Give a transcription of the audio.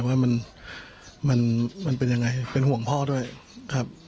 ว่ามันเป็นยังไงเป็นห่วงพ่อด้วยครับ